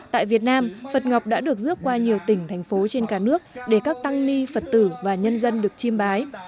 tại việt nam phật ngọc đã được rước qua nhiều tỉnh thành phố trên cả nước để các tăng ni phật tử và nhân dân được chiêm bái